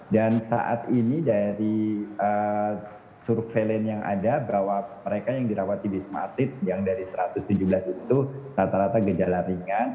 dan saat ini dari surveil yang ada bahwa mereka yang dirawat di wisma atlet yang dari satu ratus tujuh belas itu rata rata gejala ringan